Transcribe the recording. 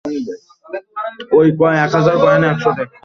অনেক পরিবর্তন দেখিবে।